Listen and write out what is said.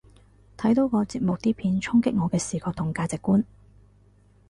睇到個節目啲片衝擊我嘅視覺同價值觀